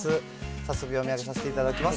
早速読み上げさせていただきます。